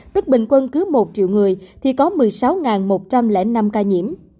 tức bình quân cứ một triệu người thì có một mươi sáu một trăm linh năm ca nhiễm